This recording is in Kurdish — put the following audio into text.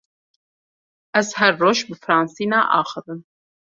Ez her roj bi fransî naaxivim.